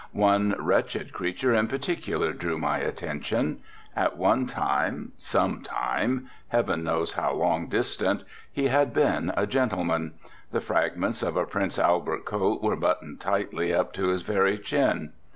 One wretched creature in particular drew my attention. At one time, some time, heaven knows how long distant, he had been a gentleman. The fragments of a Prince Albert coat were buttoned tightly up to his very chin.